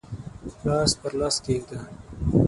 لاس پر لاس کښېږده